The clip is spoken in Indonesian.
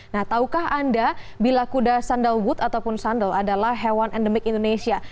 nah tahukah anda bila kuda sandalwood ataupun sandal adalah hewan endemik indonesia